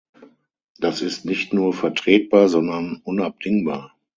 Das ist nicht nur vertretbar, sondern unabdingbar.